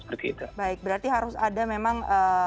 berarti harus ada memang